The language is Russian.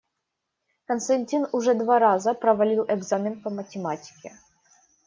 Константин уже два раза провалил экзамен по математике.